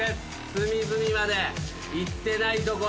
隅々まで行ってない所